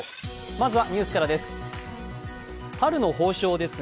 まずはニュースからです。